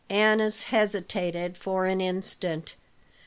Annas hesitated for an instant.